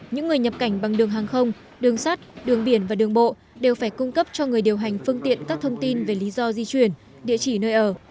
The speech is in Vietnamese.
những người nhập cảnh bằng đường hàng không đường sắt đường biển và đường bộ đều phải cung cấp cho người điều hành phương tiện các thông tin về lý do di chuyển địa chỉ nơi ở